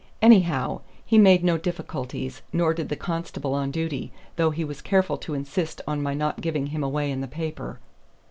Anyhow, he made no difficulties, nor did the constable on duty, though he was careful to insist on my not giving him away in the paper."